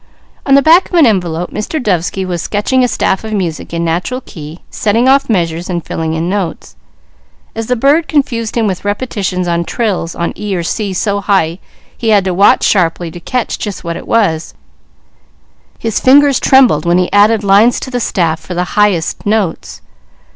On the back of an envelope, Mr. Dovesky was sketching a staff of music in natural key, setting off measures and filling in notes. As the bird confused him with repetitions or trills on E or C so high he had to watch sharply to catch just what it was, his fingers trembled when he added lines to the staff for the highest notes.